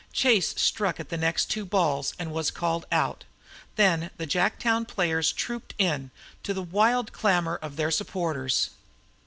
Chase struck at the next two balls and was called out. Then the Jacktown players trooped in, to the wild clamor of their supporters.